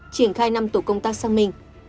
triển khai năm tổ công tác sang mình